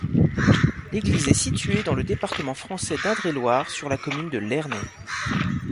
L'église est située dans le département français d'Indre-et-Loire, sur la commune de Lerné.